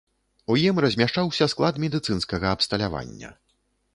У ім размяшчаўся склад медыцынскага абсталявання.